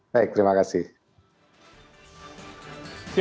baik terima kasih